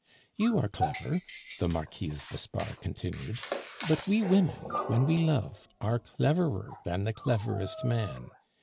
"You are clever," the Marquise d'Espard continued; "but we women, when we love, are cleverer than the cleverest man.